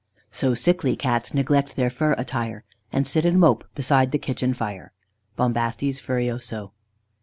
_ "So sickly Cats neglect their fur attire, And sit and mope beside the kitchen fire." _Bombastes Furioso.